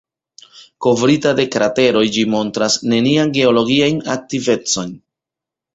Kovrita de krateroj, ĝi montras nenian geologian aktivecon.